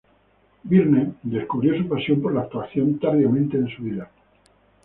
Byrne descubrió su pasión por la actuación tardíamente en su vida.